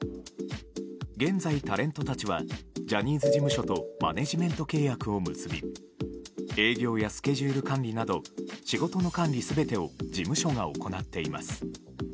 現在、タレントたちはジャニーズ事務所とマネジメント契約を結び営業やスケジュール管理など仕事の管理全てを事務所が行っています。